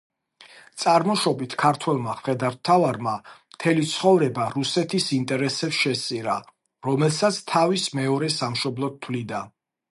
წარმოშობით ქართველმა მხედართმთავარმა მთელი ცხოვრება რუსეთის ინტერესებს შესწირა, რომელსაც თავის მეორე სამშობლოდ თვლიდა.